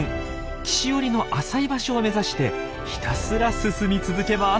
岸寄りの浅い場所を目指してひたすら進み続けます。